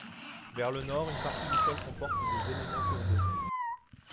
Vers le nord, une partie du sol comporte des éléments tourbeux.